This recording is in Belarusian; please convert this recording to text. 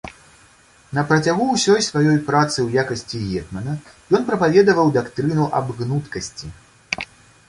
На працягу ўсёй сваёй працы ў якасці гетмана, ён прапаведаваў дактрыну аб гнуткасці.